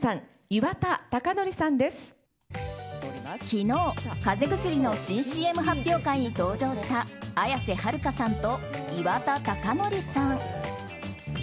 昨日風邪薬の新ＣＭ発表会に登場した綾瀬はるかさんと岩田剛典さん。